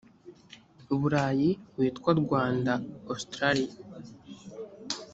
burayi witwa rwanda austraia